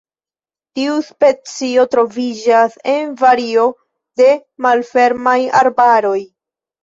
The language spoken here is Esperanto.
Tiu specio troviĝas en vario de malfermaj arbaroj.